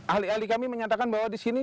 ahli ahli kami menyatakan bahwa di sini